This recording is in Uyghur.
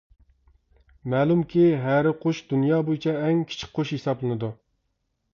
مەلۇمكى، ھەرە قۇش دۇنيا بويىچە ئەڭ كىچىك قۇش ھېسابلىنىدۇ.